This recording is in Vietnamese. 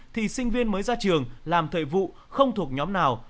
thì sinh viên mới ra trường làm thời vụ không thuộc nhóm nào